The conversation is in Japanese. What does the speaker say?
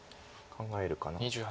考えるかな？